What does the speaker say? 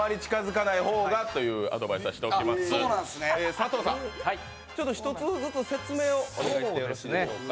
佐藤さん、１つずつ説明をお願いしていいですか。